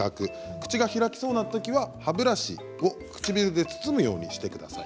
口が開きそうなときは歯ブラシを唇で包むようにしてください。